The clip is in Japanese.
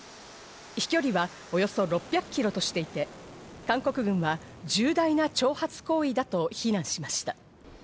飛距離はおよそ６００ｋｍとしていて、韓国軍は重大な挑発行為だと非難しました。